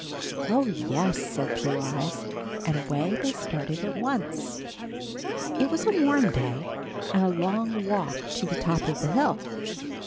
"Oh, yes," said Blue Eyes, and away they started at once. It was a warm day and a long walk to the top of the hill.